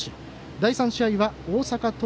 第３試合は大阪桐蔭。